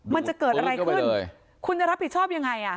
มันจะเกิดอะไรขึ้นคุณจะรับผิดชอบยังไง